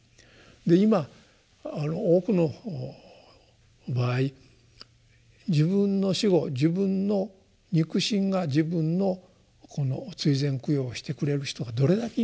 今多くの場合自分の死後自分の肉親が自分の追善供養をしてくれる人がどれだけいますか。